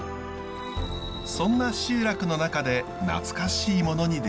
そんな集落の中で懐かしい物に出会いました。